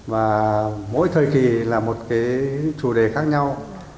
và mỗi thời kỳ là một cái chủ đề khác nhau